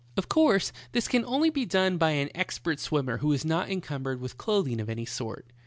Of course, this can only be done by an expert swimmer who is not encumbered with clothing of any sort.